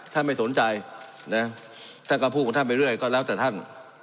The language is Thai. ท่านไม่สนใจท่านก็พูดของท่านไปเรื่อยแล้วแต่ท่าน